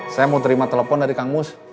saya mau terima telepon dari kang mus